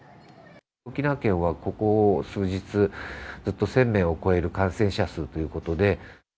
沖縄県は、ここ数日、ずっと１０００名を超える感染者数ということで。